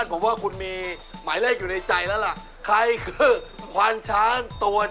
เป็นนักแสดงอยู่ช่องแฮปปี้แชนเนล